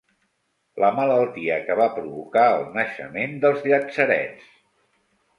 La malaltia que va provocar el naixement dels llatzerets.